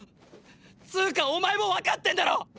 ⁉つーかお前もわかってんだろ！！